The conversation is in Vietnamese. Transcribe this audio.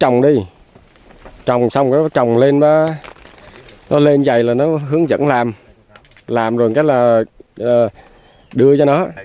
trồng đi trồng xong rồi nó trồng lên nó lên dày là nó hướng dẫn làm rồi cái là đưa cho nó